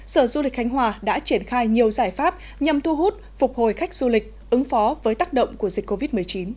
sở du lịch khánh hòa đã triển khai nhiều giải pháp nhằm thu hút phục hồi khách du lịch ứng phó với tác động của dịch covid một mươi chín